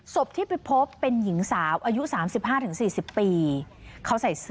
ศพที่ไปพบเป็นหญิงสาวอายุ๓๕๔๐ปี